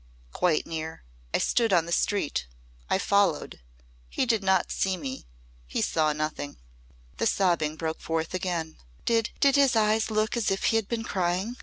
"Quite near. I stood on the street. I followed. He did not see me. He saw nothing." The sobbing broke forth again. "Did did his eyes look as if he had been crying?